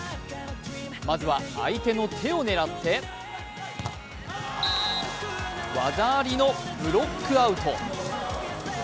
まずは相手の手を狙って技ありのブロックアウト。